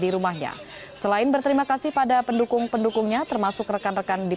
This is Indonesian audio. di rumahnya selain berterima kasih pada pendukung pendukungnya termasuk rekan rekan di